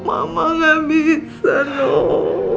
mama gak bisa nuh